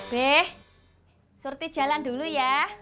be sur di jalan dulu ya